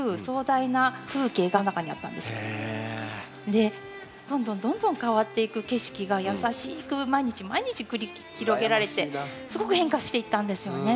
でどんどんどんどん変わっていく景色が優しく毎日毎日繰り広げられてすごく変化していったんですよね。